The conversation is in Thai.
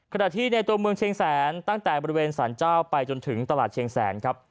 ในตัวเมืองเชียงแสนตั้งแต่บริเวณสารเจ้าไปจนถึงตลาดเชียงแสนครับ